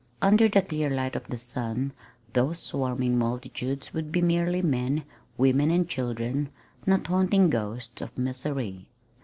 Under the clear light of the sun those swarming multitudes would be merely men, women, and children, not haunting ghosts of misery.